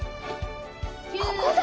ここだ！